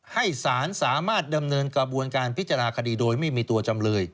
ให้สารสามารถดำเนินกระบวนการพิจารณาคดีโดยไม่มีตัวจำเลย